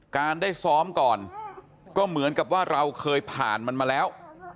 การได้ซ้อมก่อนก็เหมือนกับว่าเราเคยผ่านมันมาแล้ว